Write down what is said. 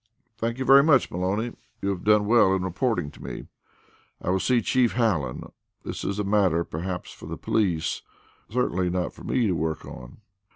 "Thank you very much, Maloney. You have done well in reporting to me. I will see Chief Hallen; this is a matter, perhaps, for the police, certainly not for me, to work on."